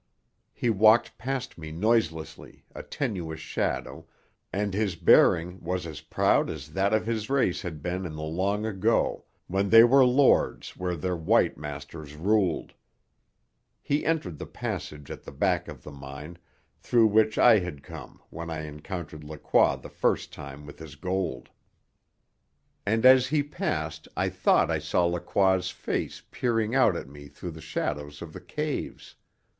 He walked past me noiselessly, a tenuous shadow, and his bearing was as proud as that of his race had been in the long ago, when they were lords where their white masters ruled. He entered the passage at the back of the mine, through which I had come when I encountered Lacroix the first time with his gold. And as he passed I thought I saw Lacroix's face peering out at me through the shadows of the caves.